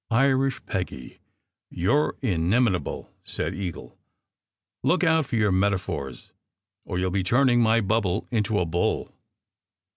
"Irish Peggy, you re inimitable !" said Eagle. "Look out for your metaphors, or you ll be turning my bubble into a bull